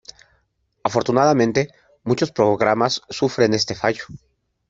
Afortunadamente, muchos programas sufren este fallo.